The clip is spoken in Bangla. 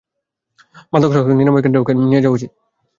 মাদকাসক্ত নিরাময় কেন্দ্রে দিতে হলে প্রতি মাসে সাত হাজার টাকা গুনতে হবে।